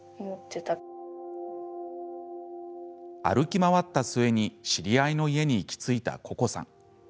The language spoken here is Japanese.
歩き回った末に知り合いの家に行き着いたここさん。